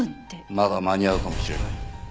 まだ間に合うかもしれない。